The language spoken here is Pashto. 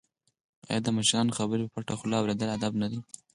آیا د مشرانو خبرې په پټه خوله اوریدل ادب نه دی؟